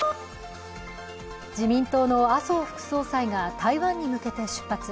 自民党の麻生副総裁が台湾に向けて出発。